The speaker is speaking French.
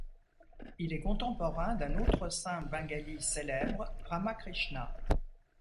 Il est contemporain d'un autre saint Bengali célèbre, Ramakrishna.